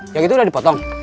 yang itu udah dipotong